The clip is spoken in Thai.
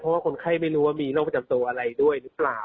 เพราะว่าคนไข้ไม่รู้ว่ามีโรคประจำตัวอะไรด้วยหรือเปล่า